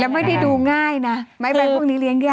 ไม่ได้ดูง่ายนะไม้ใบพวกนี้เลี้ยงยาก